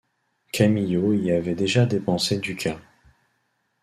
Camillo y avait déjà dépensé ducats.